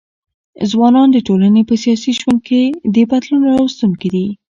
ځوانان د ټولني په سیاسي ژوند ګي د بدلون راوستونکي دي.